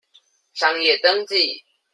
商業登記